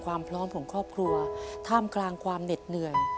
ความพร้อมของครอบครัวท่ามกลางความเหน็ดเหนื่อย